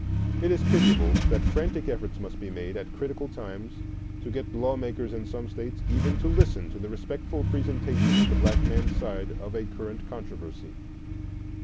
It is pitiable that frantic efforts must be made at critical times to get law makers in some States even to listen to the respectful presentation of the black man's side of a current controversy.